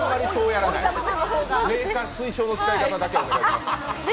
メーカー推奨の使い方でお願いします。